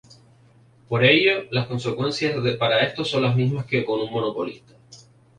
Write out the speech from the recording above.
Por ello, las consecuencias para estos son las mismas que con un monopolista.